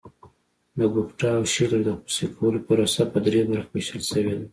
د ګوپټا او شیلر د خصوصي کولو پروسه په درې برخو ویشل شوې ده.